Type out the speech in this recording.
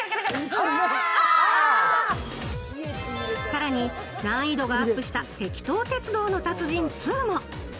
更に、難易度がアップしたてきと鉄道の達人２も。